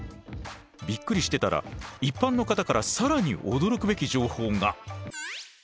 びっくりしてたら一般の方から更に驚くべき情報が。